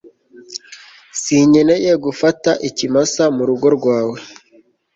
sinkeneye gufata ikimasa mu rugo rwawe